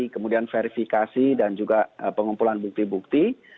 kemudian verifikasi dan juga pengumpulan bukti bukti